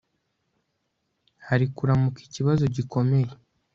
hari kuramuka ikibazo gikomeye